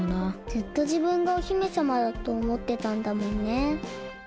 ずっとじぶんがお姫さまだとおもってたんだもんね。